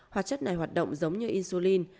hoạt chất này hoạt động giống như insulin